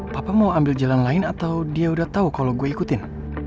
papa mau ambil jalan lain atau dia udah tau kalau gue ikutin